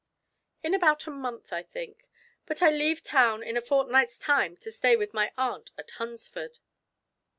"In about a month, I think; but I leave town in a fortnight's time to stay with my aunt at Hunsford."